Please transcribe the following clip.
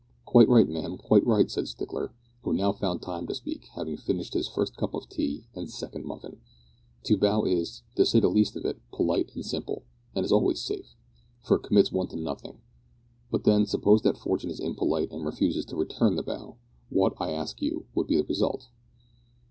"Quite right, ma'am, quite right," said Stickler, who now found time to speak, having finished his first cup of tea and second muffin; "to bow is, to say the least of it, polite and simple, and is always safe, for it commits one to nothing; but then, suppose that Fortune is impolite and refuses to return the bow, what, I ask you, would be the result?"